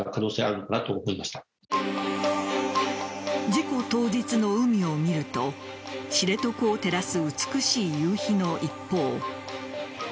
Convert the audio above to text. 事故当日の海を見ると知床を照らす美しい夕日の一方。